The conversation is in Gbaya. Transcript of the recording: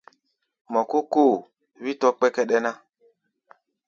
Mɔ kó kóo, wí tɔ̧́ kpɛ́kɛ́ɗɛ́ ná.